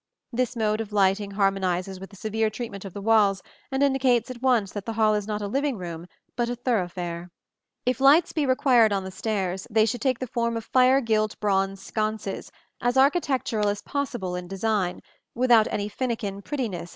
This mode of lighting harmonizes with the severe treatment of the walls and indicates at once that the hall is not a living room, but a thoroughfare. If lights be required on the stairs, they should take the form of fire gilt bronze sconces, as architectural as possible in design, without any finikin prettiness of detail.